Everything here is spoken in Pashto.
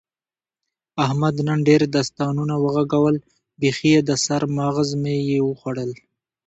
احمد نن ډېر داستانونه و غږول، بیخي د سر ماغز مې یې وخوړل.